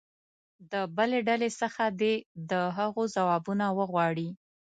د بلې ډلې څخه دې د هغو ځوابونه وغواړي.